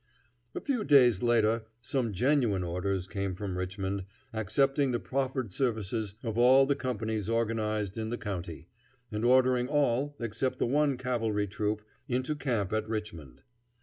A few days later some genuine orders came from Richmond, accepting the proffered services of all the companies organized in the county, and ordering all, except the one cavalry troop, into camp at Richmond.